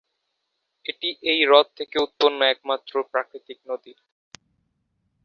এটিই এই হ্রদ থেকে উৎপন্ন একমাত্র প্রাকৃতিক নদী।